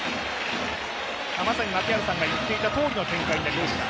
まさに槙原さんが言っていたとおりの展開になりました。